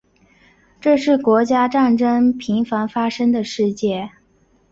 这是国家战争频繁发生的世界。